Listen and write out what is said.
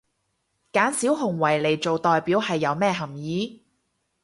揀小熊維尼做代表係有咩含意？